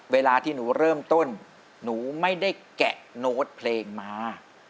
เวลาที่หนูเริ่มต้นหนูไม่ได้แกะโน้ตเพลงมา